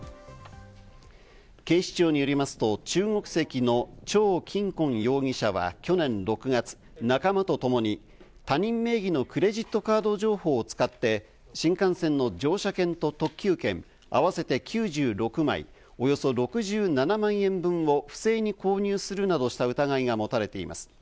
警視庁によりますと中国籍のチョウ・キンコン容疑者は去年６月、仲間とともに他人名義のクレジットカード情報を使って新幹線の乗車券と特急券合わせて９６枚、およそ６７万円分を不正に購入するなどした疑いが持たれています。